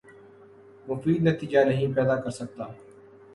مفید نتیجہ نہیں پیدا کر سکتا